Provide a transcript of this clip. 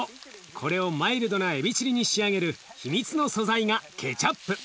これをマイルドなエビチリに仕上げる秘密の素材がケチャップ。